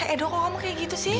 edo kalau kamu kayak gitu sih